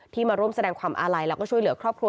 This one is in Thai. มาร่วมแสดงความอาลัยแล้วก็ช่วยเหลือครอบครัว